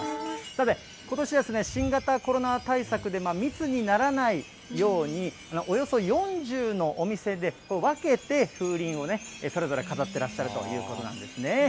さて、ことしは新型コロナ対策で密にならないように、およそ４０のお店で分けて風鈴をそれぞれ飾ってらっしゃるということなんですね。